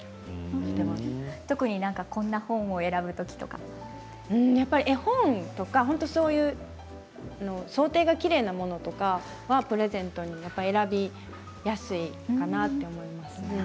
特にこんな本を選ぶ絵本とか装丁がきれいなものはプレゼントに選びやすいなと思います。